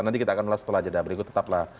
nanti kita akan ulas setelah jeda berikut tetaplah